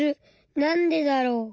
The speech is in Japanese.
なんでだろう？